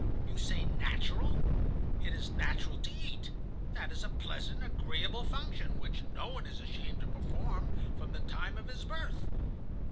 "You say natural? It is natural to eat; that is a pleasant, agreeable function, which no one is ashamed to perform from the time of his birth.